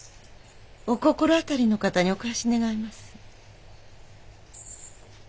お心当たりの方にお返し願います。